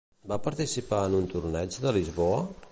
Va participar en un torneig de Lisboa?